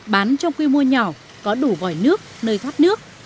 bán trong quy mô nhỏ có đủ vòi nước nơi thoát nước